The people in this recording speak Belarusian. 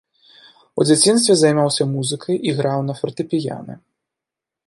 У дзяцінстве займаўся музыкай, іграў на фартэпіяна.